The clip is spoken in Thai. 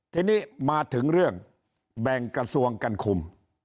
ทีนี้มาถึงเรื่องแบ่งกระทรวงกันคุม